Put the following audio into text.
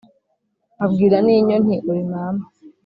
nkabwira n’inyo nti ‘uri mama